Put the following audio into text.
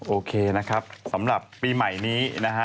โอเคนะครับสำหรับปีใหม่นี้นะฮะ